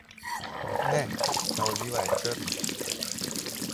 Ne, ta oliva je črna.